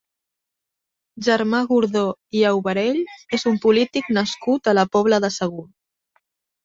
Germà Gordó i Aubarell és un polític nascut a la Pobla de Segur.